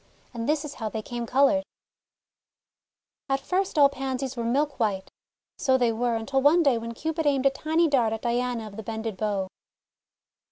And this is how they came coloured :— At first all Pansies were milk white. So they were, until one day when Cupid aimed a tiny dart at Diana of the Bended Bow.